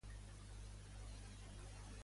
Què opina Iglesias sobre aquest grup polític?